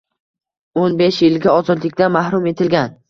O'n besh yilga ozodlikdan mahrum etilgan.